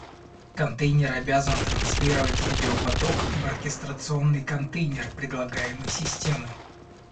Контейнер обязан транслировать видеопоток в оркестрационный контейнер предлагаемой системы